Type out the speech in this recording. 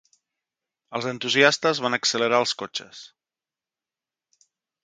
Els entusiastes van accelerar els cotxes.